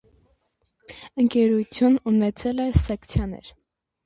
Ընկերությունն ունեցել է սեկցիաներ։